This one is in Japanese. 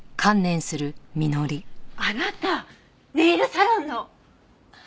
あなたネイルサロンの。